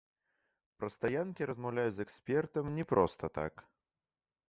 Пра стаянкі размаўляю з экспертам не проста так.